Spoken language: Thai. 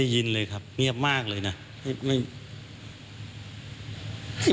ก็เคยแบบผ่านนะ